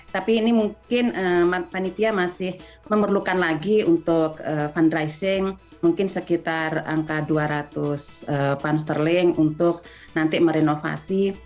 tapi ini mungkin panitia masih memerlukan lagi untuk fundraising mungkin sekitar angka dua ratus pound sterling untuk nanti merenovasi